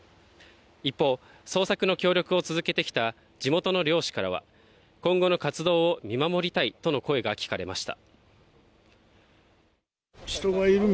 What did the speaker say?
一方、捜索の協力を続けてきた地元の漁師からは今後の活動を見守りたいとの声が聞かれました。